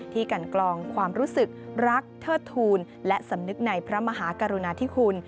กันกลองความรู้สึกรักเทิดทูลและสำนึกในพระมหากรุณาธิคุณ